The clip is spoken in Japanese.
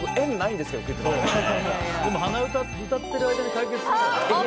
でも鼻歌歌ってる間に解決するんだよ。